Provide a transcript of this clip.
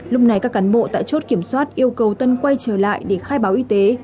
lúc này các cán bộ tại chốt kiểm soát yêu cầu tân quay trở lại để khai báo y tế